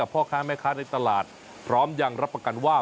พ่อค้าแม่ค้าในตลาดพร้อมยังรับประกันว่า